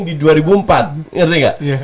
di dua ribu empat ngerti nggak